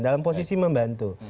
dalam posisi membantu